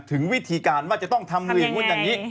ถึงวิธีการว่าจะต้องทำเรียนมุ่นอย่างนี้